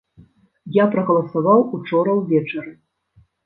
Я прагаласаваў учора ўвечары.